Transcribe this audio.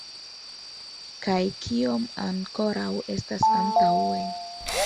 Kaj kiom ankoraŭ estas antaŭe!